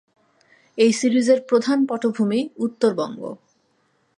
এই সিরিজের প্রধান পটভূমি উত্তরবঙ্গ।